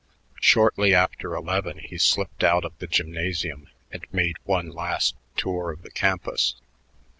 Shortly after eleven he slipped out of the gymnasium and made one last tour of the campus.